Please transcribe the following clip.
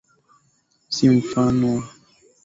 si mfano wa upendo huo na maendeleo hayo Kwa Wakristo wengi